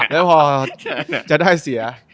แล้วพอจะได้เสีย